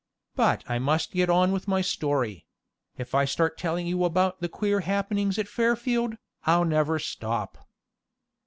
But I must get on with my story; if I start telling you about the queer happenings at Fairfield, I'll never stop.